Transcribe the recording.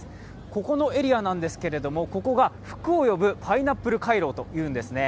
ここのエリアなんですけど、ここが福を呼ぶパイナップル回廊というんですね。